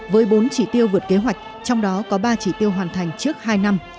với bốn chỉ tiêu vượt kế hoạch trong đó có ba chỉ tiêu hoàn thành trước hai năm